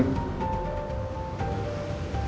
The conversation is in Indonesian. belum bertanya apa apa